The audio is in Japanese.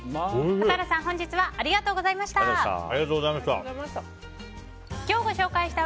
笠原さん、本日はありがとうございました。